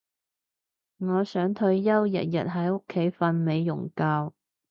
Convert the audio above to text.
我想退休日日喺屋企瞓美容覺